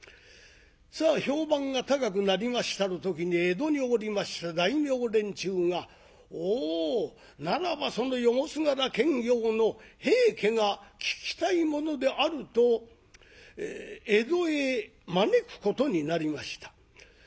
さあ評判が高くなりましたる時に江戸におりました大名連中が「おおならばその夜もすがら検校の『平家』が聞きたいものである」と江戸へ招くことになりました。